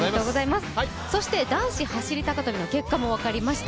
そして男子走り高跳びの結果も分かりました。